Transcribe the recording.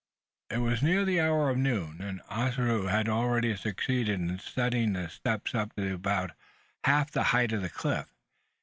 It was near the hour of noon, and Ossaroo had already succeeded in setting the steps up to about half the height of the cliff.